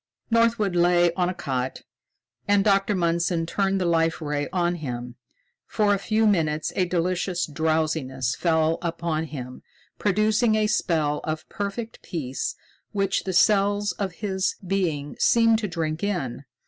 Northwood lay on a cot, and Dr. Mundson turned the Life Ray on him. For a few minutes a delicious drowsiness fell upon him, producing a spell of perfect peace which the cells of his being seemed to drink in.